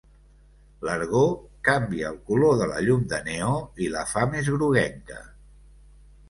L'argó canvia el color de la llum de neó i la fa més groguenca.